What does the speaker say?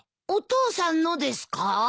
お父さんのですか？